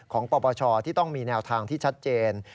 ปปชที่ต้องมีแนวทางที่ชัดเจน